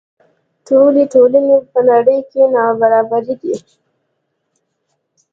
ټولې ټولنې په نړۍ کې نابرابرې دي.